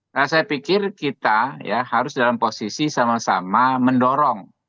nah saya pikir kita ya harus dalam posisi sama sama mendorong